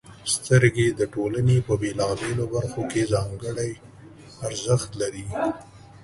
• سترګې د ټولنې په بېلابېلو برخو کې ځانګړې ارزښت لري.